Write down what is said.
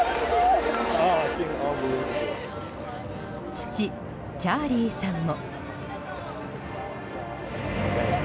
父チャーリーさんも。